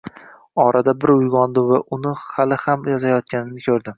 Orada bir uyg‘ondim va uni hali ham yozayotganini ko‘rdim